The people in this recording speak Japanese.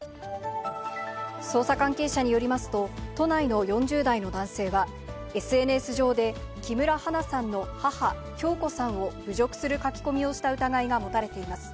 捜査関係者によりますと、都内の４０代の男性は、ＳＮＳ上で、木村花さんの母、響子さんを侮辱する書き込みをした疑いが持たれています。